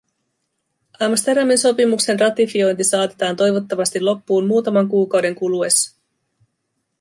Amsterdamin sopimuksen ratifiointi saatetaan toivottavasti loppuun muutaman kuukauden kuluessa.